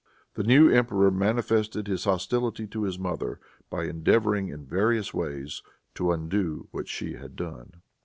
The new emperor manifested his hostility to his mother, by endeavoring in various ways to undo what she had done.